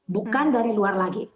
bukan dari luar lagi